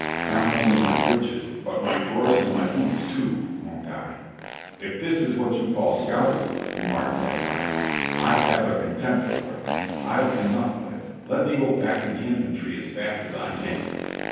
"Not only my breeches, but my drawers and my boots tool" moaned I. "If this is what you call scouting," remarked Ned Martin, "I have a contempt for it. I've enough of it; let me get back to the infantry as fast as I can."